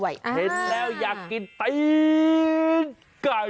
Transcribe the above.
เห็นแล้วอยากกินตีนไก่